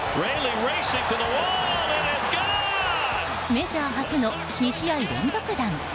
メジャー初の２試合連続弾。